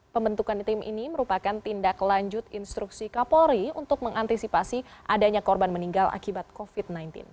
pembentukan tim ini merupakan tindak lanjut instruksi kapolri untuk mengantisipasi adanya korban meninggal akibat covid sembilan belas